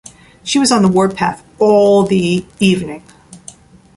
She was on the warpath all the evening.